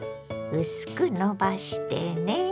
薄くのばしてね。